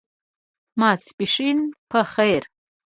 ماسپښېن په خیر !